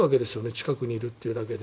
近くにいるというだけで。